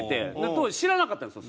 当時知らなかったんですよ